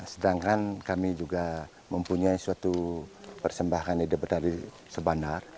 sedangkan kami juga mempunyai suatu persembahkan ide dari sebandar